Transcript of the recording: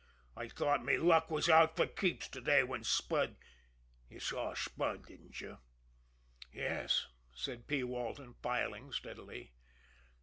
I thought me luck was out fer keeps to day when Spud you saw Spud, didn't you?" "Yes," said P. Walton, filing steadily.